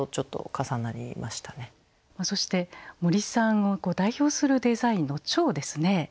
そして森さんを代表するデザインの蝶ですね。